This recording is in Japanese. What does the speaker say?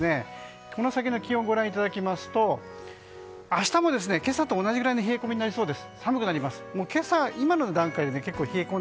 この先の気温をご覧いただきますと明日も今朝と同じくらいの冷え込みになりそうです。